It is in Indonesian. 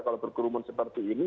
kalau bergurumun seperti ini